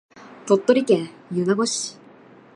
鳥取県米子市